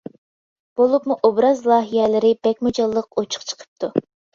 بولۇپمۇ ئوبراز لايىھەلىرى بەكمۇ جانلىق، ئوچۇق چىقىپتۇ.